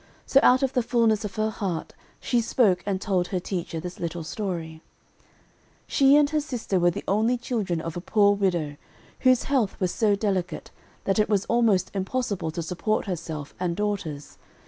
So out of the fullness of her heart she spoke and told her teacher this little story: She and her sister were the only children of a poor widow, whose health was so delicate that it was almost impossible to support herself and daughters.